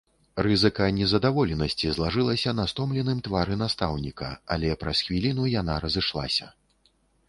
Рыска нездаволенасці злажылася на стомленым твары настаўніка, але праз хвіліну яна разышлася.